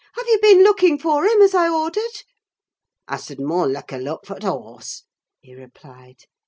"Have you been looking for him, as I ordered?" "I sud more likker look for th' horse," he replied.